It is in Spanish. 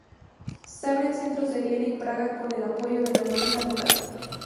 Se abren centros en Viena y Praga con el apoyo de la nobleza local.